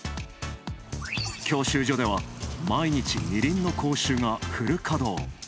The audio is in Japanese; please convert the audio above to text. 教習所では毎日、二輪の講習がフル稼働。